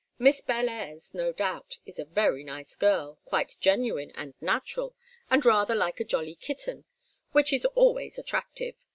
Miss Bellairs, no doubt, is a very nice girl, quite genuine and natural, and rather like a jolly kitten, which is always attractive.